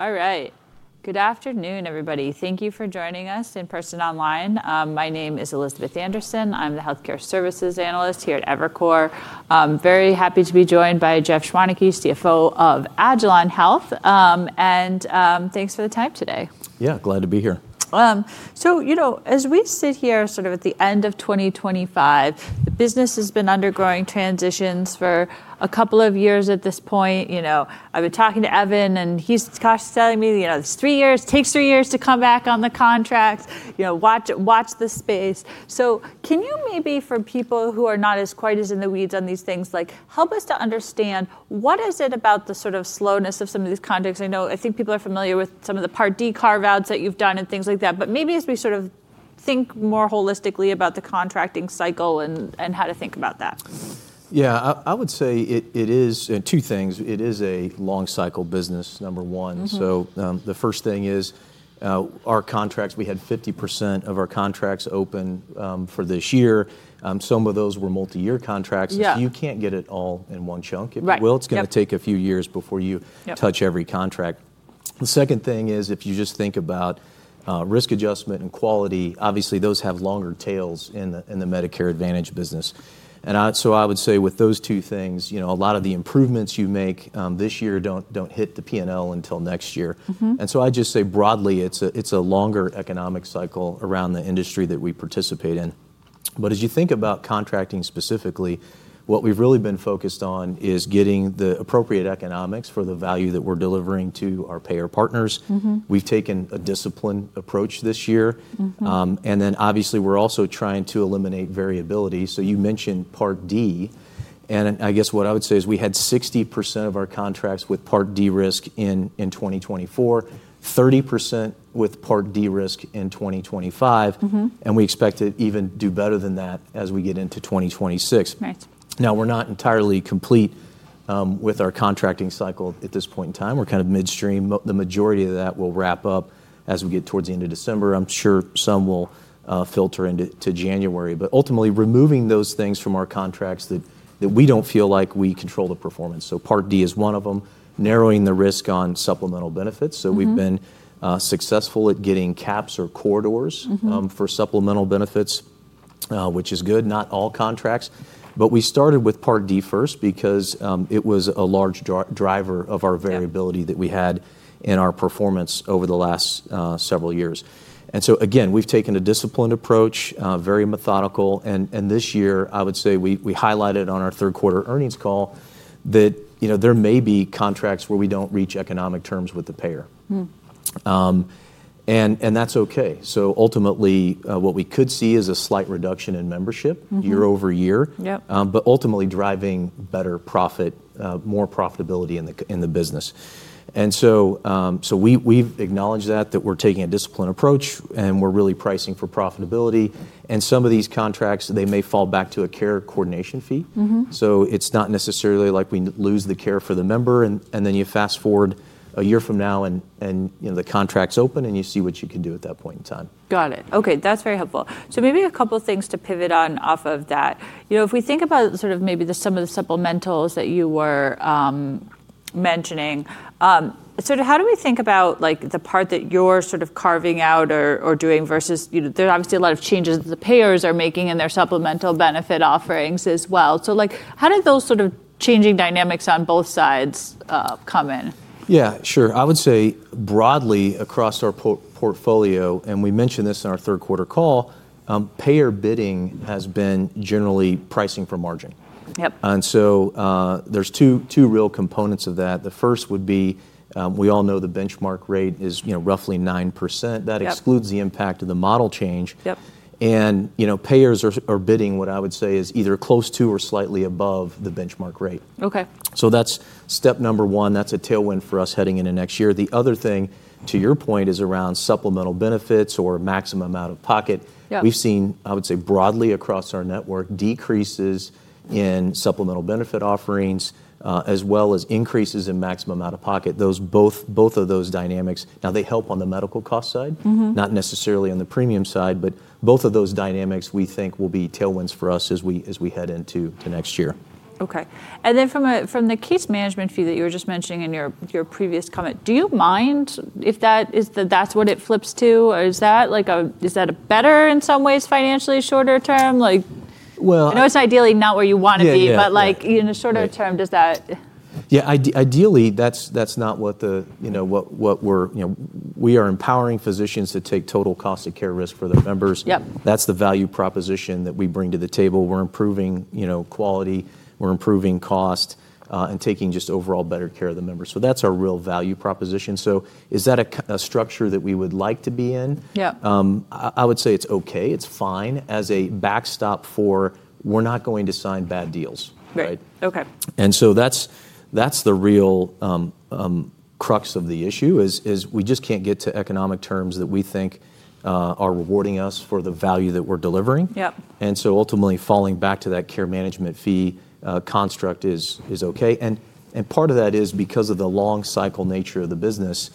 All right. Good afternoon, everybody. Thank you for joining us in person online. My name is Elizabeth Anderson. I'm the Health Care Services Analyst here at Evercore. I'm very happy to be joined by Jeff Schwaneke, CFO of agilon health. And thanks for the time today. Yeah, glad to be here. So, you know, as we sit here sort of at the end of 2025, the business has been undergoing transitions for a couple of years at this point. You know, I've been talking to Evan, and he's telling me, you know, it's three years, takes three years to come back on the contracts, you know, watch the space. So can you maybe, for people who are not quite as in the weeds on these things, like, help us to understand what is it about the sort of slowness of some of these contracts? I know I think people are familiar with some of the Part D carve-outs that you've done and things like that, but maybe as we sort of think more holistically about the contracting cycle and how to think about that. Yeah, I would say it is two things. It is a long-cycle business, number one. So the first thing is our contracts, we had 50% of our contracts open for this year. Some of those were multi-year contracts. You can't get it all in one chunk. It will, it's going to take a few years before you touch every contract. The second thing is if you just think about risk adjustment and quality, obviously those have longer tails in the Medicare Advantage business. And so I would say with those two things, you know, a lot of the improvements you make this year don't hit the P&L until next year. And so I just say broadly, it's a longer economic cycle around the industry that we participate in. As you think about contracting specifically, what we've really been focused on is getting the appropriate economics for the value that we're delivering to our payer partners. We've taken a disciplined approach this year. And then obviously we're also trying to eliminate variability. So you mentioned Part D. And I guess what I would say is we had 60% of our contracts with Part D risk in 2024, 30% with Part D risk in 2025. And we expect to even do better than that as we get into 2026. Now, we're not entirely complete with our contracting cycle at this point in time. We're kind of midstream. The majority of that will wrap up as we get towards the end of December. I'm sure some will filter into January. But ultimately, removing those things from our contracts that we don't feel like we control the performance. Part D is one of them, narrowing the risk on supplemental benefits. We've been successful at getting caps or corridors for supplemental benefits, which is good, not all contracts. But we started with Part D first because it was a large driver of our variability that we had in our performance over the last several years. And so again, we've taken a disciplined approach, very methodical. And this year, I would say we highlighted on our third quarter earnings call that, you know, there may be contracts where we don't reach economic terms with the payer. And that's okay. Ultimately, what we could see is a slight reduction in membership year-over-year, but ultimately driving better profit, more profitability in the business. And so we've acknowledged that, that we're taking a disciplined approach and we're really pricing for profitability. And some of these contracts, they may fall back to a care coordination fee. So it's not necessarily like we lose the care for the member. And then you fast forward a year from now and the contract's open and you see what you can do at that point in time. Got it. Okay, that's very helpful. So maybe a couple of things to pivot on off of that. You know, if we think about sort of maybe some of the supplementals that you were mentioning, sort of how do we think about like the part that you're sort of carving out or doing versus, you know, there's obviously a lot of changes that the payers are making in their supplemental benefit offerings as well. So like how did those sort of changing dynamics on both sides come in? Yeah, sure. I would say broadly across our portfolio, and we mentioned this in our third quarter call, payer bidding has been generally pricing for margin. And so there's two real components of that. The first would be we all know the benchmark rate is roughly 9%. That excludes the impact of the model change. And, you know, payers are bidding what I would say is either close to or slightly above the benchmark rate. So that's step number one. That's a tailwind for us heading into next year. The other thing, to your point, is around supplemental benefits or maximum out of pocket. We've seen, I would say broadly across our network, decreases in supplemental benefit offerings as well as increases in maximum out of pocket. Both of those dynamics, now they help on the medical cost side, not necessarily on the premium side, but both of those dynamics we think will be tailwinds for us as we head into next year. Okay. And then from the care's management fee that you were just mentioning in your previous comment, do you mind if that is, that's what it flips to? Is that like a, is that a better in some ways financially shorter term? Like, I know it's ideally not where you want to be, but like in a shorter term, does that? Yeah, ideally that's not what the, you know, what we're, you know, we are empowering physicians to take total cost of care risk for their members. That's the value proposition that we bring to the table. We're improving, you know, quality, we're improving cost and taking just overall better care of the members. So that's our real value proposition. So is that a structure that we would like to be in? I would say it's okay. It's fine as a backstop for we're not going to sign bad deals. And so that's the real crux of the issue is we just can't get to economic terms that we think are rewarding us for the value that we're delivering. And so ultimately falling back to that care management fee construct is okay. And part of that is because of the long cycle nature of the business.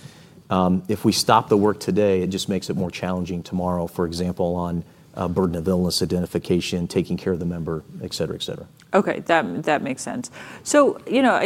If we stop the work today, it just makes it more challenging tomorrow, for example, on burden of illness identification, taking care of the member, et cetera, et cetera. Okay, that makes sense. So, you know,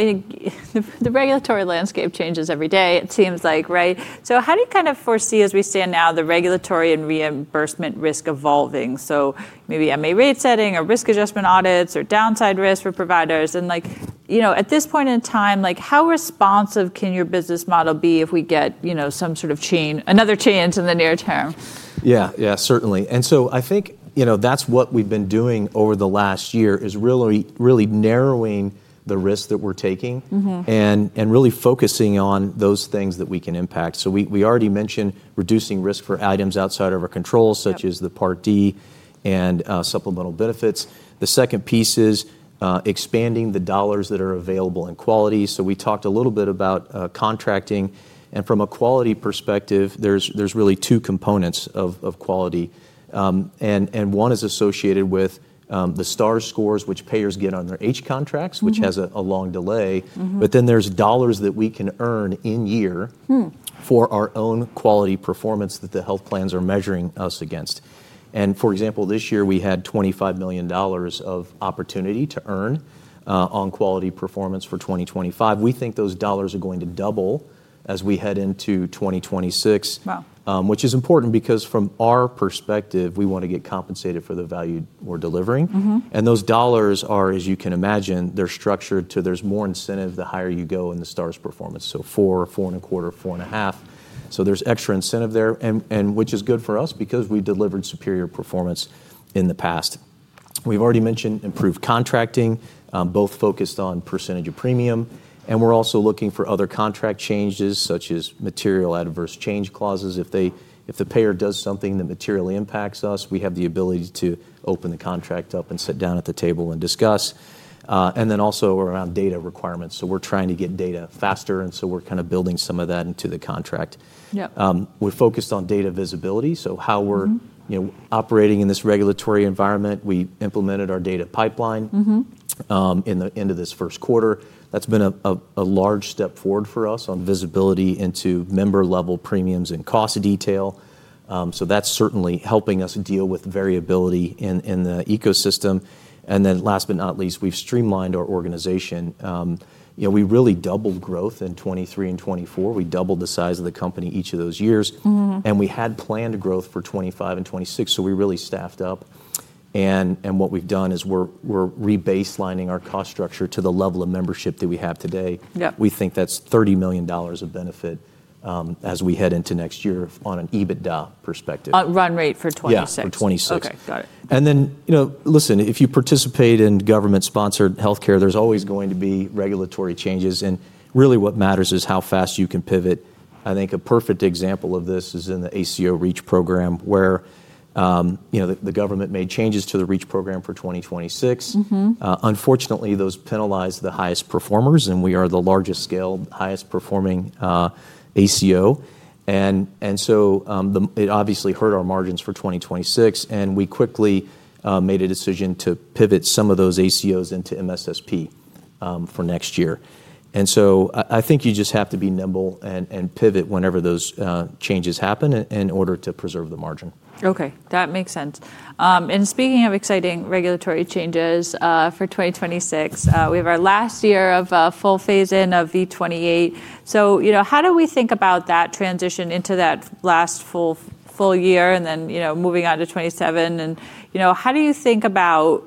the regulatory landscape changes every day, it seems like, right? So how do you kind of foresee as we stand now the regulatory and reimbursement risk evolving? So maybe MA rate setting or risk adjustment audits or downside risk for providers. And like, you know, at this point in time, like how responsive can your business model be if we get, you know, some sort of change, another change in the near term? Yeah, yeah, certainly. And so I think, you know, that's what we've been doing over the last year is really, really narrowing the risk that we're taking and really focusing on those things that we can impact, so we already mentioned reducing risk for items outside of our control, such as the Part D and supplemental benefits. The second piece is expanding the dollars that are available in quality, so we talked a little bit about contracting, and from a quality perspective, there's really two components of quality, and one is associated with the STAR scores, which payers get on their H contracts, which has a long delay, but then there's dollars that we can earn in year for our own quality performance that the health plans are measuring us against, and for example, this year we had $25 million of opportunity to earn on quality performance for 2025. We think those dollars are going to double as we head into 2026, which is important because from our perspective, we want to get compensated for the value we're delivering. And those dollars are, as you can imagine, they're structured to there's more incentive the higher you go in the STAR's performance. So four, four and a quarter, four and a half. So there's extra incentive there, and which is good for us because we've delivered superior performance in the past. We've already mentioned improved contracting, both focused on percentage of premium. And we're also looking for other contract changes such as material adverse change clauses. If the payer does something that materially impacts us, we have the ability to open the contract up and sit down at the table and discuss. And then also around data requirements. So we're trying to get data faster. And so we're kind of building some of that into the contract. We're focused on data visibility. So how we're, you know, operating in this regulatory environment, we implemented our data pipeline into this first quarter. That's been a large step forward for us on visibility into member level premiums and cost of detail. So that's certainly helping us deal with variability in the ecosystem. And then last but not least, we've streamlined our organization. You know, we really doubled growth in 2023 and 2024. We doubled the size of the company each of those years. And we had planned growth for 2025 and 2026. So we really staffed up. And what we've done is we're rebaselining our cost structure to the level of membership that we have today. We think that's $30 million of benefit as we head into next year on an EBITDA perspective. Run rate for 2026. Yeah, for 2026. Okay, got it. And then, you know, listen, if you participate in government-sponsored healthcare, there's always going to be regulatory changes. Really what matters is how fast you can pivot. I think a perfect example of this is in the ACO REACH program where, you know, the government made changes to the REACH program for 2026. Unfortunately, those penalize the highest performers, and we are the largest scale, highest performing ACO. And so it obviously hurt our margins for 2026. And we quickly made a decision to pivot some of those ACOs into MSSP for next year. And so I think you just have to be nimble and pivot whenever those changes happen in order to preserve the margin. Okay, that makes sense. And speaking of exciting regulatory changes for 2026, we have our last year of full phase-in of V28. So, you know, how do we think about that transition into that last full year and then, you know, moving on to 2027? And, you know, how do you think about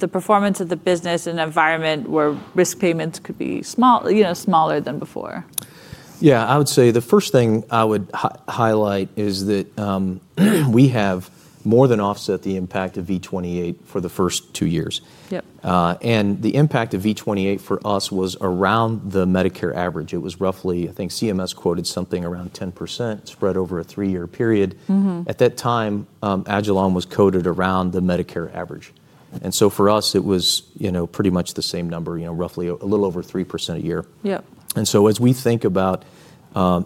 the performance of the business and environment where risk payments could be small, you know, smaller than before? Yeah, I would say the first thing I would highlight is that we have more than offset the impact of V28 for the first two years. And the impact of V28 for us was around the Medicare average. It was roughly, I think CMS quoted something around 10% spread over a three-year period. At that time, Agilon was coded around the Medicare average. And so for us, it was, you know, pretty much the same number, you know, roughly a little over 3% a year. And so as we think about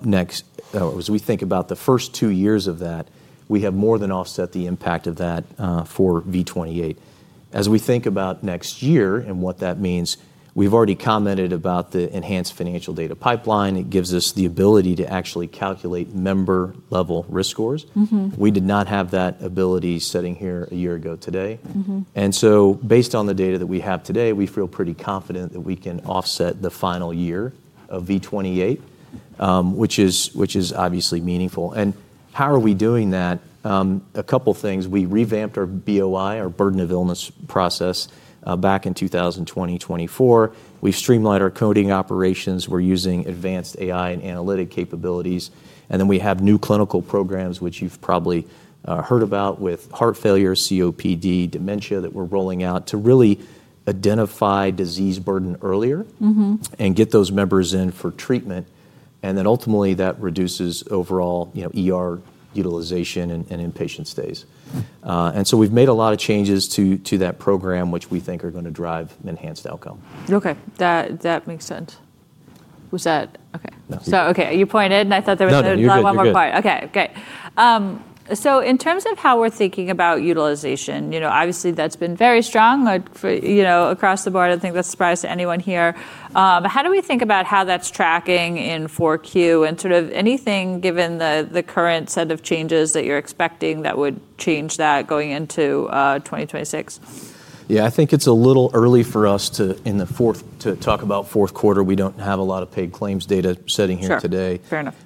next, as we think about the first two years of that, we have more than offset the impact of that for V28. As we think about next year and what that means, we've already commented about the enhanced financial data pipeline. It gives us the ability to actually calculate member level risk scores. We did not have that ability sitting here a year ago today. And so based on the data that we have today, we feel pretty confident that we can offset the final year of V28, which is obviously meaningful. And how are we doing that? A couple of things. We revamped our BOI, our burden of illness process back in 2024. We've streamlined our coding operations. We're using advanced AI and analytic capabilities. And then we have new clinical programs, which you've probably heard about with heart failure, COPD, dementia that we're rolling out to really identify disease burden earlier and get those members in for treatment. And then ultimately that reduces overall, you know, utilization and inpatient stays. And so we've made a lot of changes to that program, which we think are going to drive enhanced outcome. Okay, that makes sense. Was that okay? So, okay, you pointed and I thought there was one more point. Okay, great. So in terms of how we're thinking about utilization, you know, obviously that's been very strong, you know, across the board. I don't think that's a surprise to anyone here. But how do we think about how that's tracking in 4Q and sort of anything given the current set of changes that you're expecting that would change that going into 2026? Yeah, I think it's a little early for us to, in the fourth, to talk about fourth quarter. We don't have a lot of paid claims data yet sitting here today.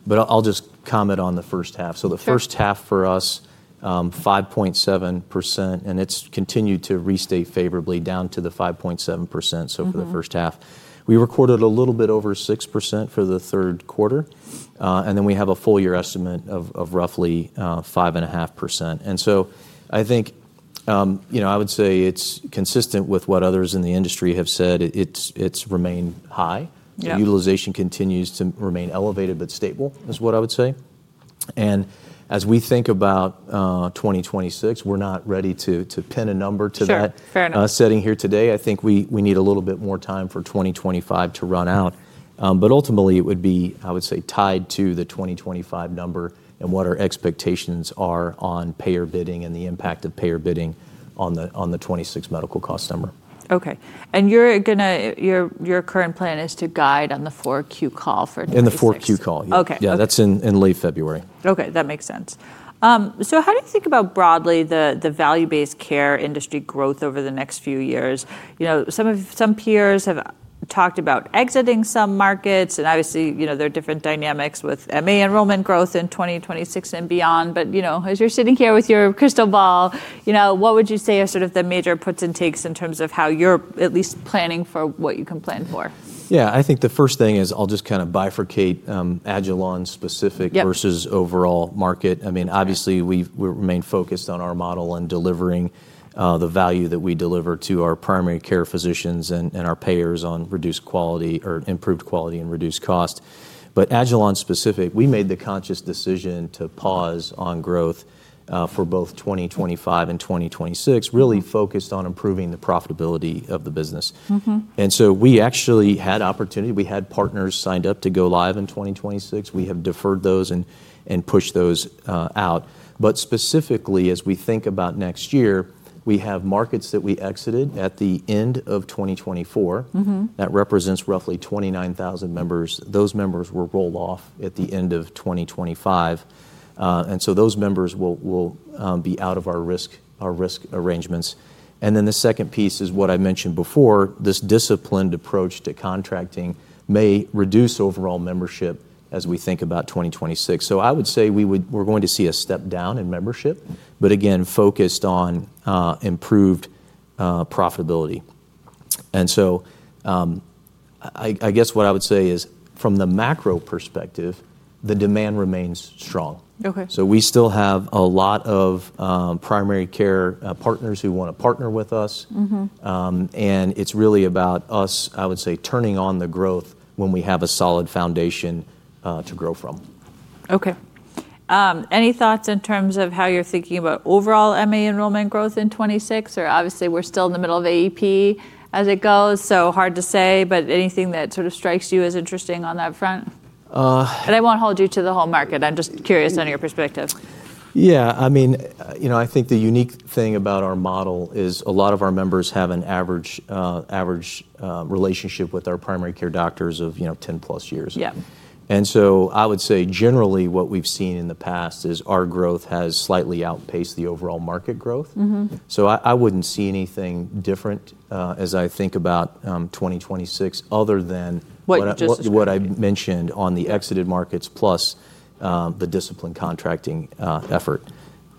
But I'll just comment on the first half. So the first half for us, 5.7%, and it's continued to restate favorably down to the 5.7%. So for the first half, we recorded a little bit over 6% for the third quarter. And then we have a full year estimate of roughly 5.5%. And so I think, you know, I would say it's consistent with what others in the industry have said. It's remained high. Utilization continues to remain elevated, but stable is what I would say. And as we think about 2026, we're not ready to pin a number to that yet sitting here today. I think we need a little bit more time for 2025 to run out. But ultimately it would be, I would say tied to the 2025 number and what our expectations are on payer bidding and the impact of payer bidding on the 2026 medical cost number. Okay, and you're going to, your current plan is to guide on the 4Q call for. In the 4Q call. Yeah, that's in late February. Okay, that makes sense. So how do you think about broadly the value-based care industry growth over the next few years? You know, some peers have talked about exiting some markets and obviously, you know, there are different dynamics with MA enrollment growth in 2026 and beyond. But, you know, as you're sitting here with your crystal ball, you know, what would you say are sort of the major puts and takes in terms of how you're at least planning for what you can plan for? Yeah, I think the first thing is I'll just kind of bifurcate Agilon specific versus overall market. I mean, obviously we remain focused on our model and delivering the value that we deliver to our primary care physicians and our payers on reduced quality or improved quality and reduced cost. But Agilon specific, we made the conscious decision to pause on growth for both 2025 and 2026, really focused on improving the profitability of the business. And so we actually had opportunity, we had partners signed up to go live in 2026. We have deferred those and pushed those out. But specifically as we think about next year, we have markets that we exited at the end of 2024. That represents roughly 29,000 members. Those members were rolled off at the end of 2025. And so those members will be out of our risk arrangements. And then the second piece is what I mentioned before, this disciplined approach to contracting may reduce overall membership as we think about 2026. So I would say we would, we're going to see a step down in membership, but again, focused on improved profitability. And so I guess what I would say is from the macro perspective, the demand remains strong. So we still have a lot of primary care partners who want to partner with us. And it's really about us, I would say turning on the growth when we have a solid foundation to grow from. Okay. Any thoughts in terms of how you're thinking about overall MA enrollment growth in 2026? Or obviously we're still in the middle of AEP as it goes. So hard to say, but anything that sort of strikes you as interesting on that front? And I won't hold you to the whole market. I'm just curious on your perspective. Yeah, I mean, you know, I think the unique thing about our model is a lot of our members have an average relationship with our primary care doctors of, you know, 10 plus years. And so I would say generally what we've seen in the past is our growth has slightly outpaced the overall market growth. So I wouldn't see anything different as I think about 2026 other than what I mentioned on the exited markets plus the disciplined contracting effort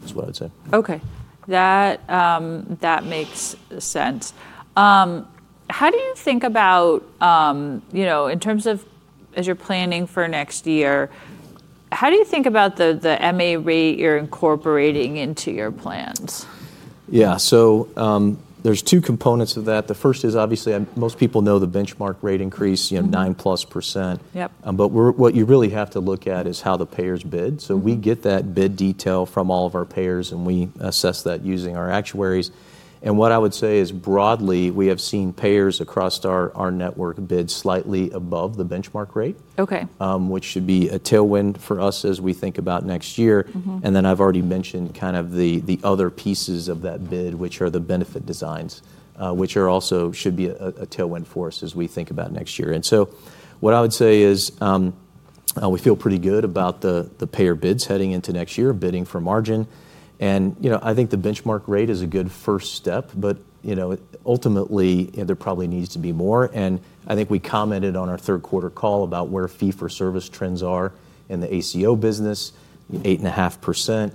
is what I'd say. Okay. That makes sense. How do you think about, you know, in terms of as you're planning for next year, how do you think about the MA rate you're incorporating into your plans? Yeah, so there's two components of that. The first is obviously most people know the benchmark rate increase, you know, 9% plus. But what you really have to look at is how the payers bid. So we get that bid detail from all of our payers and we assess that using our actuaries. And what I would say is broadly we have seen payers across our network bid slightly above the benchmark rate, which should be a tailwind for us as we think about next year. And then I've already mentioned kind of the other pieces of that bid, which are the benefit designs, which also should be a tailwind for us as we think about next year. And so what I would say is we feel pretty good about the payer bids heading into next year, bidding for margin. And, you know, I think the benchmark rate is a good first step, but, you know, ultimately there probably needs to be more. And I think we commented on our third quarter call about where fee-for-service trends are in the ACO business, 8.5%.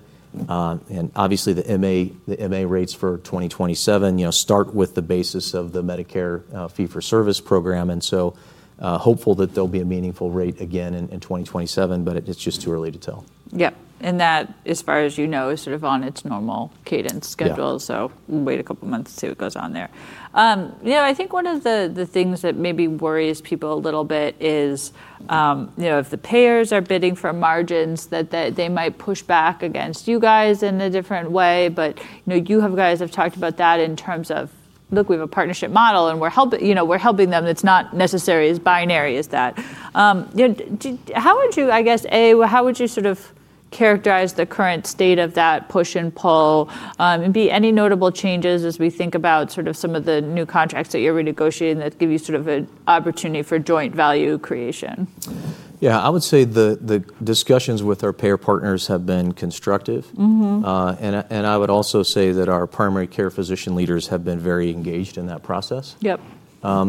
And obviously the MA rates for 2027, you know, start with the basis of the Medicare fee-for-service program. And so hopeful that there'll be a meaningful rate again in 2027, but it's just too early to tell. Yeah, and that, as far as you know, is sort of on its normal cadence schedule. So we'll wait a couple of months to see what goes on there. You know, I think one of the things that maybe worries people a little bit is, you know, if the payers are bidding for margins, that they might push back against you guys in a different way. But, you know, you guys have talked about that in terms of, look, we have a partnership model and we're helping, you know, we're helping them. It's not necessarily as binary as that. You know, how would you, I guess, A, how would you sort of characterize the current state of that push and pull? And B, any notable changes as we think about sort of some of the new contracts that you're renegotiating that give you sort of an opportunity for joint value creation? Yeah, I would say the discussions with our payer partners have been constructive. And I would also say that our primary care physician leaders have been very engaged in that process. Yep.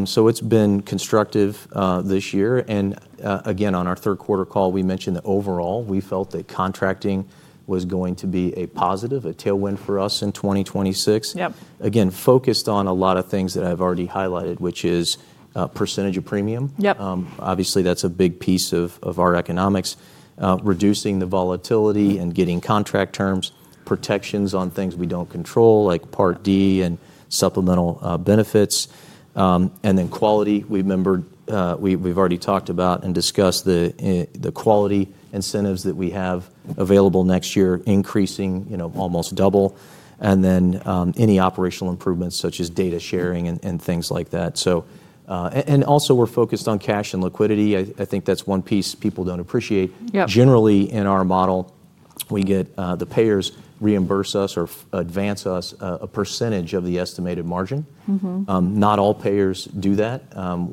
So it's been constructive this year. And again, on our third quarter call, we mentioned that overall we felt that contracting was going to be a positive, a tailwind for us in 2026. Again, focused on a lot of things that I've already highlighted, which is percentage of premium. Obviously, that's a big piece of our economics, reducing the volatility and getting contract terms, protections on things we don't control, like Part D and supplemental benefits. And then quality, we've already talked about and discussed the quality incentives that we have available next year, increasing, you know, almost double. And then any operational improvements such as data sharing and things like that. And also we're focused on cash and liquidity. I think that's one piece people don't appreciate. Generally in our model, we get the payers reimburse us or advance us a percentage of the estimated margin. Not all payers do that.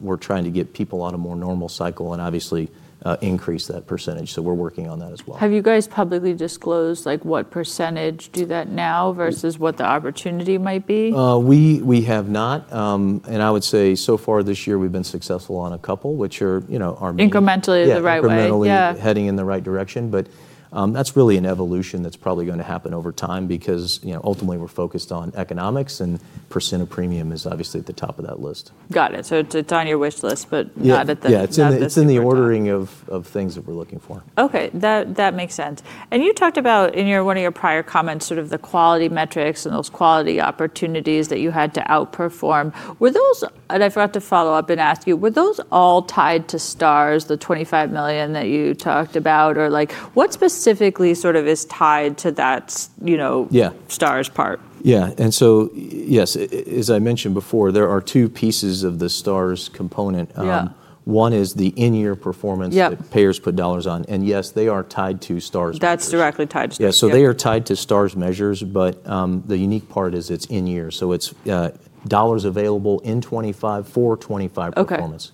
We're trying to get people on a more normal cycle and obviously increase that percentage. So we're working on that as well. Have you guys publicly disclosed like what percentage do that now versus what the opportunity might be? We have not, and I would say so far this year we've been successful on a couple, which are, you know, our meaning. Incrementally the right way. Incrementally heading in the right direction. But that's really an evolution that's probably going to happen over time because, you know, ultimately we're focused on economics and percent of premium is obviously at the top of that list. Got it. So it's on your wish list, but not at the. Yeah, it's in the ordering of things that we're looking for. Okay. That makes sense. And you talked about in one of your prior comments sort of the quality metrics and those quality opportunities that you had to outperform. Were those, and I forgot to follow up and ask you, were those all tied to STARS, the $25 million that you talked about? Or like what specifically sort of is tied to that, you know, STARS part? Yeah. And so yes, as I mentioned before, there are two pieces of the STARS component. One is the in-year performance that payers put dollars on. And yes, they are tied to STARS measures. That's directly tied to STAR Ratings. Yeah. So they are tied to STARS measures, but the unique part is it's in-year. So it's dollars available in 2025 for 2025 performance.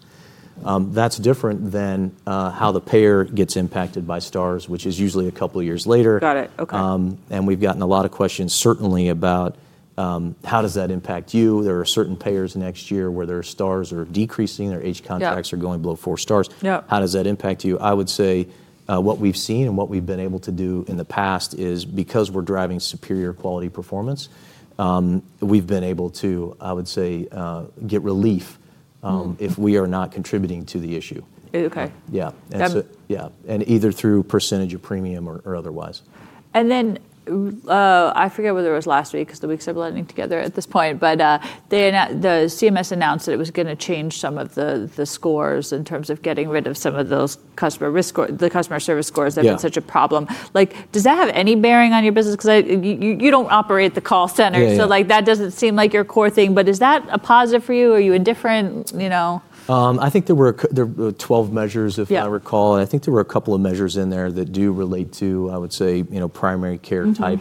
That's different than how the payer gets impacted by STARS, which is usually a couple of years later. Got it. Okay. We've gotten a lot of questions certainly about how does that impact you. There are certain payers next year where their STARS are decreasing, their H contracts are going below four stars. How does that impact you? I would say what we've seen and what we've been able to do in the past is because we're driving superior quality performance, we've been able to, I would say, get relief if we are not contributing to the issue. Okay. Yeah. And either through percentage of premium or otherwise. I forget whether it was last week because the weeks are blending together at this point, but the CMS announced that it was going to change some of the scores in terms of getting rid of some of those customer service scores that have been such a problem. Like, does that have any bearing on your business? Because you don't operate the call center. So like that doesn't seem like your core thing, but is that a positive for you? Are you indifferent? You know. I think there were 12 measures if I recall. And I think there were a couple of measures in there that do relate to, I would say, you know, primary care type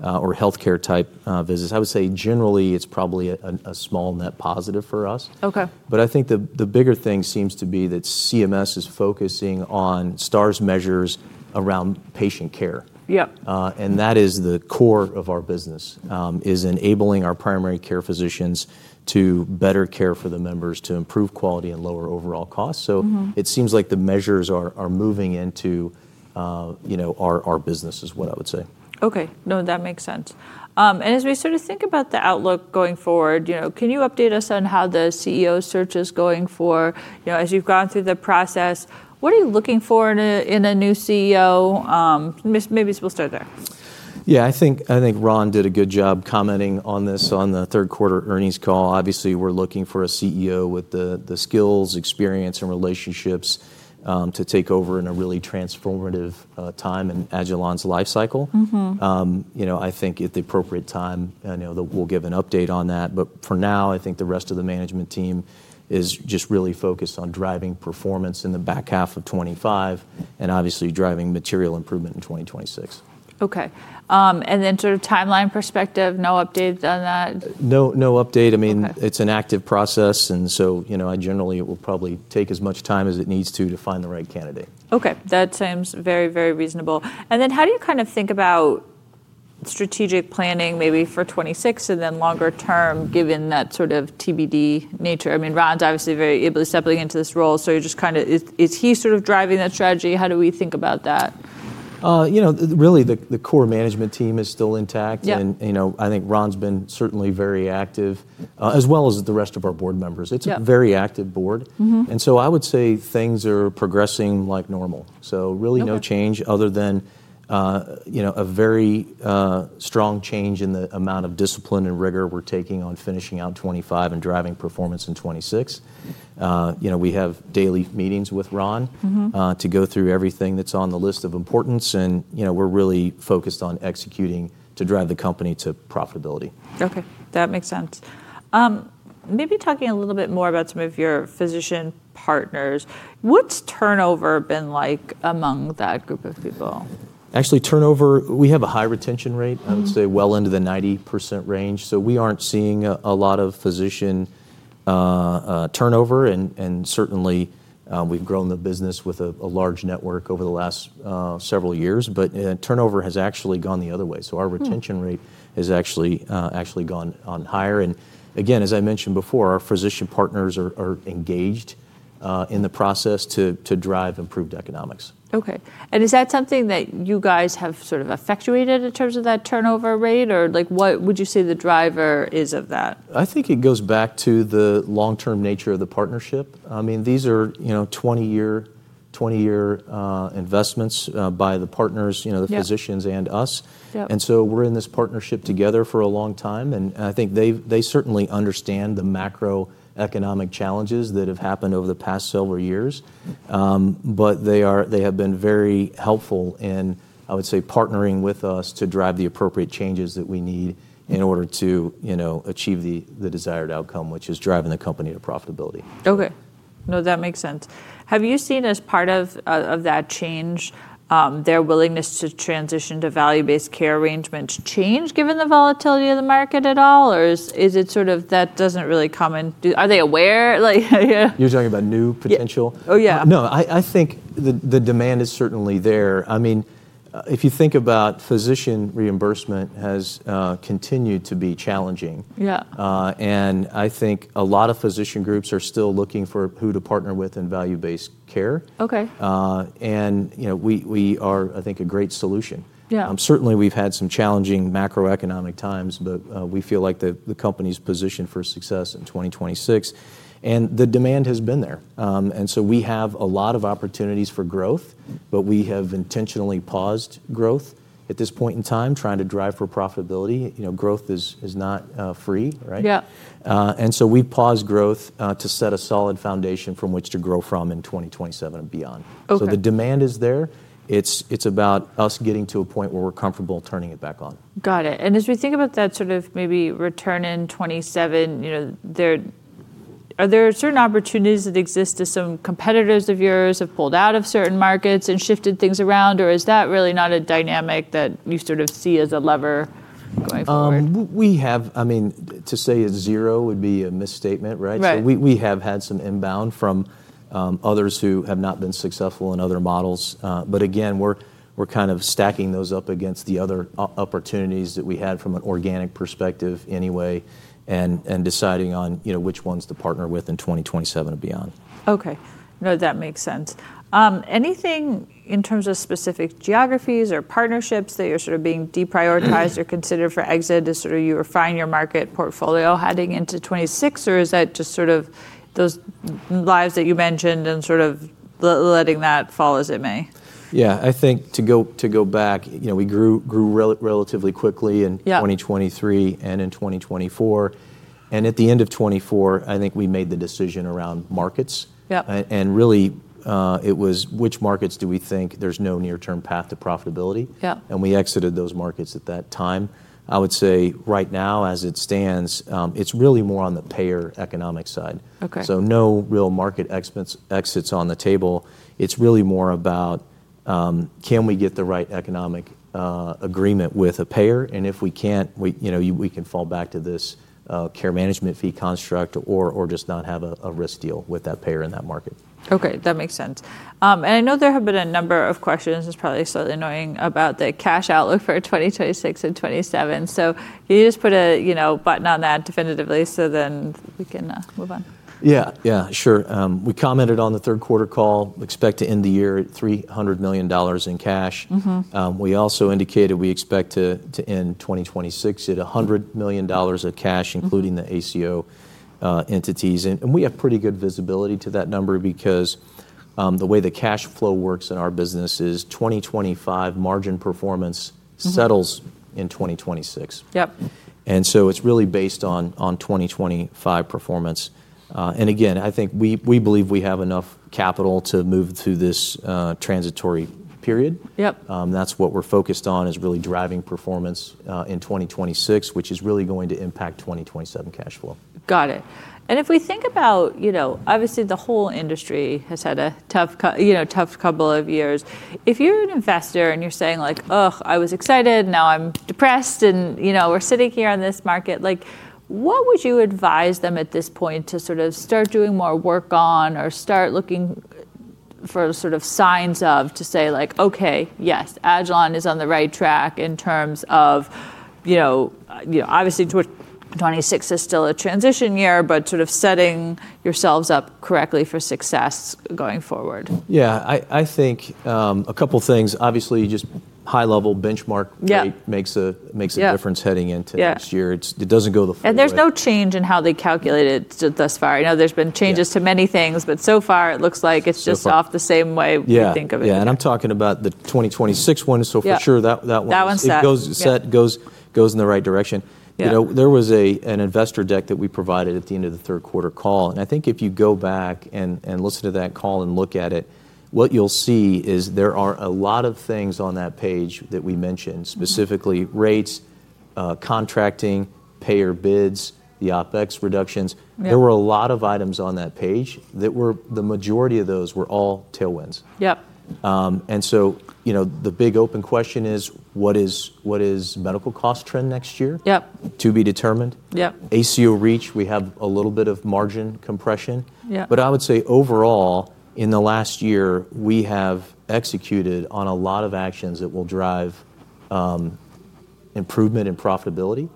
or healthcare type visits. I would say generally it's probably a small net positive for us. But I think the bigger thing seems to be that CMS is focusing on STARS measures around patient care. And that is the core of our business is enabling our primary care physicians to better care for the members to improve quality and lower overall costs. So it seems like the measures are moving into, you know, our business is what I would say. Okay. No, that makes sense. And as we sort of think about the outlook going forward, you know, can you update us on how the CEO search is going for, you know, as you've gone through the process, what are you looking for in a new CEO? Maybe we'll start there. Yeah, I think Ron did a good job commenting on this on the third quarter earnings call. Obviously, we're looking for a CEO with the skills, experience, and relationships to take over in a really transformative time in agilon's lifecycle. You know, I think at the appropriate time, you know, we'll give an update on that. But for now, I think the rest of the management team is just really focused on driving performance in the back half of 2025 and obviously driving material improvement in 2026. Okay. And then, sort of, timeline perspective, no updates on that? No update. I mean, it's an active process. And so, you know, I generally will probably take as much time as it needs to find the right candidate. Okay. That seems very, very reasonable. And then how do you kind of think about strategic planning maybe for 2026 and then longer term given that sort of TBD nature? I mean, Ron's obviously very able to step into this role. So you're just kind of, is he sort of driving that strategy? How do we think about that? You know, really the core management team is still intact. And, you know, I think Ron's been certainly very active as well as the rest of our board members. It's a very active board. And so I would say things are progressing like normal. So really no change other than, you know, a very strong change in the amount of discipline and rigor we're taking on finishing out 2025 and driving performance in 2026. You know, we have daily meetings with Ron to go through everything that's on the list of importance. And, you know, we're really focused on executing to drive the company to profitability. Okay. That makes sense. Maybe talking a little bit more about some of your physician partners. What's turnover been like among that group of people? Actually, turnover, we have a high retention rate. I would say well into the 90% range. So we aren't seeing a lot of physician turnover. And certainly we've grown the business with a large network over the last several years. But turnover has actually gone the other way. So our retention rate has actually gone even higher. And again, as I mentioned before, our physician partners are engaged in the process to drive improved economics. Okay, and is that something that you guys have sort of effectuated in terms of that turnover rate? Or like what would you say the driver is of that? I think it goes back to the long-term nature of the partnership. I mean, these are, you know, 20-year investments by the partners, you know, the physicians and us. And so we're in this partnership together for a long time. And I think they certainly understand the macroeconomic challenges that have happened over the past several years. But they have been very helpful in, I would say, partnering with us to drive the appropriate changes that we need in order to, you know, achieve the desired outcome, which is driving the company to profitability. Okay. No, that makes sense. Have you seen as part of that change, their willingness to transition to value-based care arrangements change given the volatility of the market at all? Or is it sort of that doesn't really come in? Are they aware? You're talking about new potential? Oh yeah. No, I think the demand is certainly there. I mean, if you think about physician reimbursement has continued to be challenging, and I think a lot of physician groups are still looking for who to partner with in value-based care, and, you know, we are, I think, a great solution. Certainly we've had some challenging macroeconomic times, but we feel like the company's position for success in 2026, and the demand has been there, and so we have a lot of opportunities for growth, but we have intentionally paused growth at this point in time trying to drive for profitability. You know, growth is not free, right? Yeah. And so we paused growth to set a solid foundation from which to grow from in 2027 and beyond, so the demand is there. It's about us getting to a point where we're comfortable turning it back on. Got it. And as we think about that sort of maybe return in 2027, you know, are there certain opportunities that exist as some competitors of yours have pulled out of certain markets and shifted things around? Or is that really not a dynamic that you sort of see as a lever going forward? We have, I mean, to say it's zero would be a misstatement, right? So we have had some inbound from others who have not been successful in other models. But again, we're kind of stacking those up against the other opportunities that we had from an organic perspective anyway and deciding on, you know, which ones to partner with in 2027 and beyond. Okay. No, that makes sense. Anything in terms of specific geographies or partnerships that you're sort of being deprioritized or considered for exit as sort of you refine your market portfolio heading into 2026? Or is that just sort of those lives that you mentioned and sort of letting that fall as it may? Yeah, I think to go back, you know, we grew relatively quickly in 2023 and in 2024. And at the end of 2024, I think we made the decision around markets. And really it was which markets do we think there's no near-term path to profitability? And we exited those markets at that time. I would say right now as it stands, it's really more on the payer economic side. So no real market exits on the table. It's really more about can we get the right economic agreement with a payer? And if we can't, you know, we can fall back to this care management fee construct or just not have a risk deal with that payer in that market. Okay. That makes sense. And I know there have been a number of questions, it's probably slightly annoying about the cash outlook for 2026 and 2027. So can you just put a, you know, button on that definitively so then we can move on? Yeah. Yeah, sure. We commented on the third quarter call, expect to end the year at $300 million in cash. We also indicated we expect to end 2026 at $100 million of cash, including the ACO entities. And we have pretty good visibility to that number because the way the cash flow works in our business is 2025 margin performance settles in 2026. Yep. And so it's really based on 2025 performance. And again, I think we believe we have enough capital to move through this transitory period. That's what we're focused on is really driving performance in 2026, which is really going to impact 2027 cash flow. Got it. And if we think about, you know, obviously the whole industry has had a tough, you know, tough couple of years. If you're an investor and you're saying like, "Oh, I was excited, now I'm depressed and, you know, we're sitting here on this market," like what would you advise them at this point to sort of start doing more work on or start looking for sort of signs of to say like, "Okay, yes, Agilon is on the right track in terms of, you know, obviously 2026 is still a transition year, but sort of setting yourselves up correctly for success going forward? Yeah, I think a couple of things. Obviously, just high-level benchmark rate makes a difference heading into next year. It doesn't go the full circle. There's no change in how they calculated thus far. You know, there's been changes to many things, but so far it looks like it's just off the same way we think of it. Yeah. And I'm talking about the 2026 one. So for sure that one goes in the right direction. You know, there was an investor deck that we provided at the end of the third quarter call. And I think if you go back and listen to that call and look at it, what you'll see is there are a lot of things on that page that we mentioned, specifically rates, contracting, payer bids, the OpEx reductions. There were a lot of items on that page that were the majority of those were all tailwinds. Yep. And so, you know, the big open question is what is medical cost trend next year to be determined? ACO REACH, we have a little bit of margin compression. But I would say overall in the last year, we have executed on a lot of actions that will drive improvement in profitability.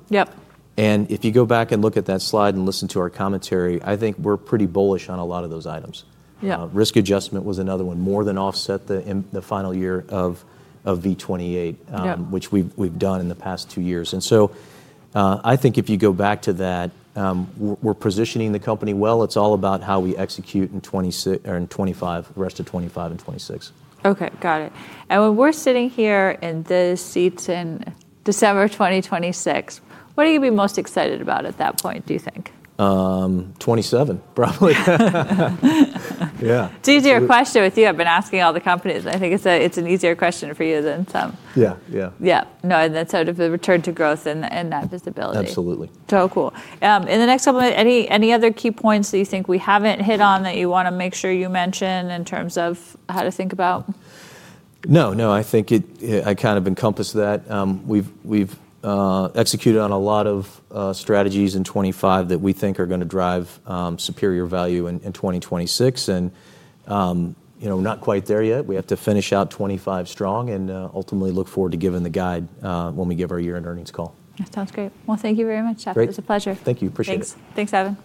And if you go back and look at that slide and listen to our commentary, I think we're pretty bullish on a lot of those items. Risk adjustment was another one, more than offset the final year of V28, which we've done in the past two years. And so I think if you go back to that, we're positioning the company well. It's all about how we execute in 2025, the rest of 2025 and 2026. Okay. Got it. And when we're sitting here in this seat in December 2026, what are you going to be most excited about at that point, do you think? 2027, probably. Yeah. It's an easier question with you. I've been asking all the companies. I think it's an easier question for you than some. Yeah. Yeah. Yeah. No, and that's out of the return to growth and that visibility. Absolutely. So cool. In the next couple of minutes, any other key points that you think we haven't hit on that you want to make sure you mention in terms of how to think about? No, no. I think I kind of encompassed that. We've executed on a lot of strategies in 2025 that we think are going to drive superior value in 2026. And, you know, we're not quite there yet. We have to finish out 2025 strong and ultimately look forward to giving the guide when we give our year-end earnings call. That sounds great. Well, thank you very much, Jeff. It was a pleasure. Thank you. Appreciate it. Thanks, [Anderson].